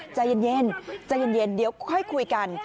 ใจเย็นเดี๋ยวค่อยคุยกัน